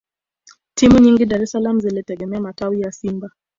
Timu nyingi Dar es salaam zilitegemea matawi ya Simba